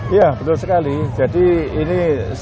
iya betul sekali jadi ini saya apresiasi